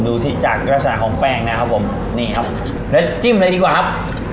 ดูที่จากลักษณะของแป้งนะครับผมนี่ครับแล้วจิ้มเลยดีกว่าครับ